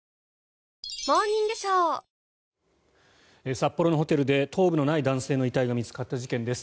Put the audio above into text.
札幌のホテルで頭部のない男性の遺体が見つかった事件です。